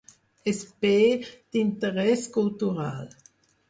És bé d'interès cultural.